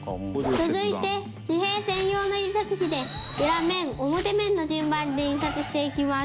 続いて紙幣専用の印刷機で裏面表面の順番で印刷していきます。